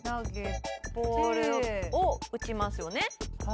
ボールを打ちますよね。